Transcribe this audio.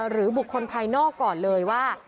หรือบุคคลภายนอกก่อนเลยว่า